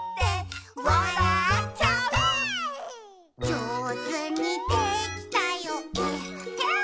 「じょうずにできたよえっへん」